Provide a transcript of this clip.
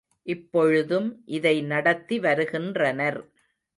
இப்பொழுதும் இதை நடத்தி வருகின்றனர்.